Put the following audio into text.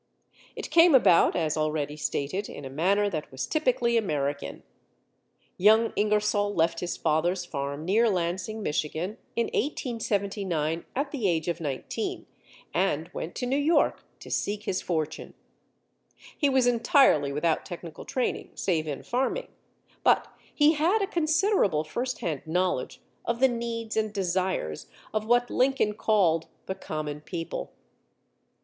It came about, as already stated, in a manner that was typically American. Young Ingersoll left his father's farm near Lansing, Michigan, in 1879, at the age of nineteen, and went to New York to seek his fortune. He was entirely without technical training save in farming, but he had a considerable first hand knowledge of the needs and desires of what Lincoln called the "common people."